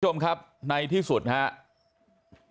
สร้อมครับในที่สุดครับ